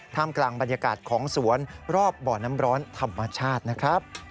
กลางบรรยากาศของสวนรอบบ่อน้ำร้อนธรรมชาตินะครับ